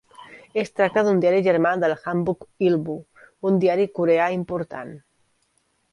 Es tracta d'un diari germà del "Hankook Ilbo", un diari coreà important.